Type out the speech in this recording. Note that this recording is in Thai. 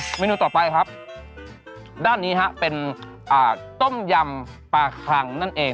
เมนูต่อไปครับด้านนี้ฮะเป็นต้มยำปลาคลังนั่นเอง